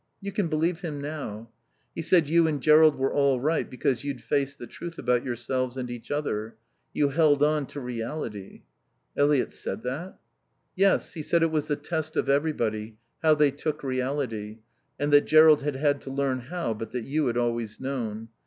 "You can believe him now. He said you and Jerrold were all right because you'd faced the truth about yourselves and each other. You held on to reality." "Eliot said that?" "Yes. He said it was the test of everybody, how they took reality, and that Jerrold had had to learn how, but that you had always known.